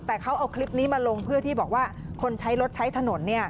แต่เขาเอาคลิปนี้มาลงเพื่อที่บอกว่าคนใช้รถใช้ถนน